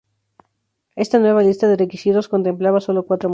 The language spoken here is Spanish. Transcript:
Esta nueva lista de requisitos contemplaba solo cuatro motores.